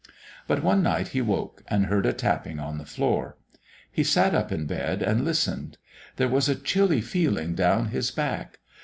But one night he woke and heard a tapping on the floor. He sat up in bed and listened. There was a chilly feeling down his back.